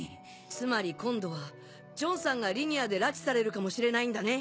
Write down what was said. つまり今度はジョンさんがリニアで拉致されるかもしれないんだね。